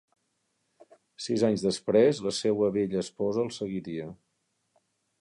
Sis anys després, la seua bella esposa el seguiria.